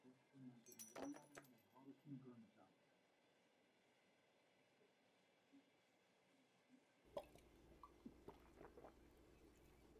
De esta manera, Internet Explorer y más propiamente Windows, se mantendrían mejor sincronizados.